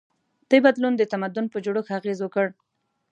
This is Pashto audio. دا بدلون د تمدن په جوړښت اغېز وکړ.